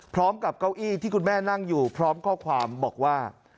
เก้าอี้ที่คุณแม่นั่งอยู่พร้อมข้อความบอกว่า